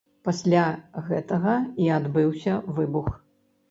Пасля гэтага і адбыўся выбух.